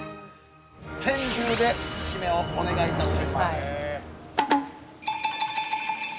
◆川柳で締めをお願いいたします。